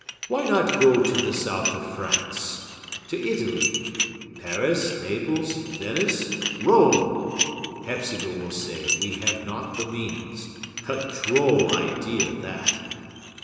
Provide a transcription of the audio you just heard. Why not go to the South of France?—to Italy?—Paris, Naples, Venice, Rome? Hepzibah will say we have not the means. A droll idea that!"